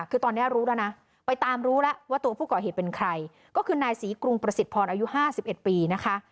คือตอนนี้รู้แล้วนะไปตามรู้แล้วว่าตัวผู้ก่อเหตุเป็นใครก็คือนายศรีกรุงประสิทธิพรอายุ๕๑ปีนะคะ